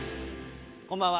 こんばんは。